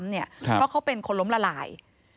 เพราะเขาเป็นคนล้มละลาย